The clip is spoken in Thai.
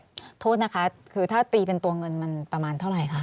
โทษนะคะคือถ้าตีเป็นตัวเงินมันประมาณเท่าไหร่คะ